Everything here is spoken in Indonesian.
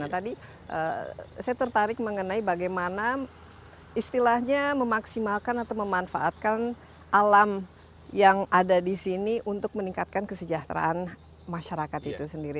jadi saya tertarik mengenai bagaimana istilahnya memaksimalkan atau memanfaatkan alam yang ada di sini untuk meningkatkan kesejahteraan masyarakat itu sendiri